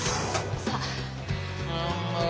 さあ。